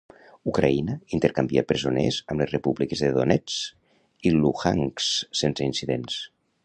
Ucraïna intercanvia presoners amb les repúbliques de Donetsk i Luhanks sense incidents.